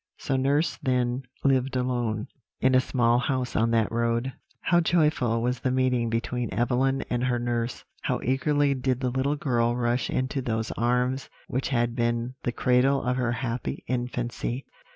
So nurse then lived alone, in a small house on that road. "How joyful was the meeting between Evelyn and her nurse! how eagerly did the little girl rush into those arms which had been the cradle of her happy infancy!